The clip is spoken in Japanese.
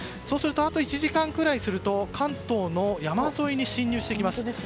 あと１時間ぐらいすると関東の山沿いに侵入してきます。